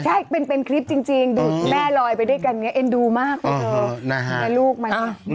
ใช่เป็นคลิปจริงดูดแม่ลอยไปด้วยกันเนี่ยเอ็นดูมากเลยลูกมัน